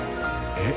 えっ？